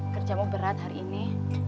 kerjamu berat hari ini